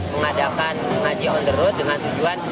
mengadakan ngaji on the road dengan tujuan